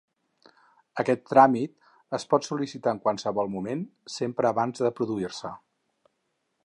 Aquest tràmit es pot sol·licitar en qualsevol moment, sempre abans de produir-se.